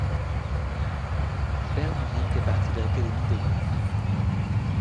Bermeries fait partie de l'académie de Lille.